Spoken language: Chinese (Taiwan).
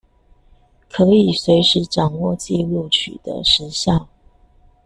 可以隨時掌握紀錄取得時效